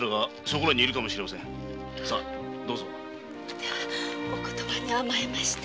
ではお言葉に甘えまして。